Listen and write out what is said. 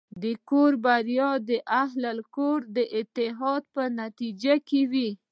د کور بریا د اهلِ کور د اتحاد په نتیجه کې وي.